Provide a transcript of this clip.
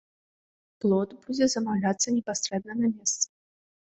Плот будзе замаўляцца непасрэдна на месцы.